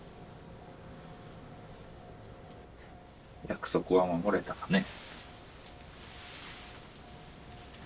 約束は守れたかね。